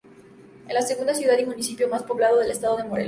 Es la segunda ciudad y municipio más poblado del Estado de Morelos.